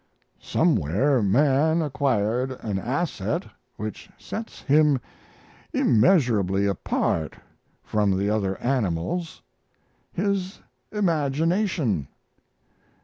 Somewhere man acquired an asset which sets him immeasurably apart from the other animals his imagination.